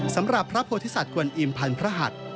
สำหรับพระพฤษฎกวนอิ่มพันธุ์พระหัท